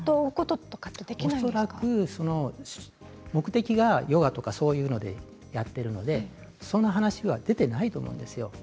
恐らく目的がヨガとかそういうのでやっているのでその話は出ていないと思うんですよ。